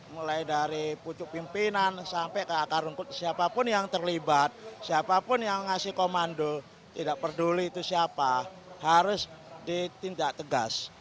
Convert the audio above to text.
mulai dari pucuk pimpinan sampai ke akar rungkut siapapun yang terlibat siapapun yang ngasih komando tidak peduli itu siapa harus ditindak tegas